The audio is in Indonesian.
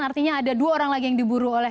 artinya ada dua orang lagi yang diburu oleh